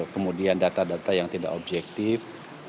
kemudian data data yang tidak objektif